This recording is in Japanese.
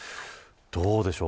どうでしょう。